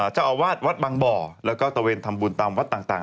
เจ้าอาวาสวัดบางบ่อแล้วก็ตะเวนทำบุญตามวัดต่าง